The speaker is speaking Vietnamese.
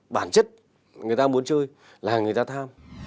bản chất người ta muốn chơi là người ta tham